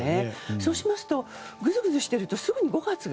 そうしますとぐずぐずしているとすぐに５月が